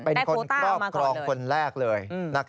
เป็นคนครอบครองคนแรกเลย